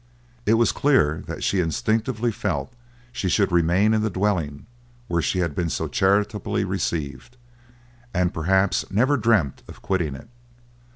It was clear that she instinctively felt she should remain in the dwelling where she had been so charitably received, and perhaps never dreamt of quitting it.